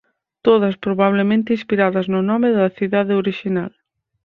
Todas probablemente inspiradas no nome da cidade orixinal.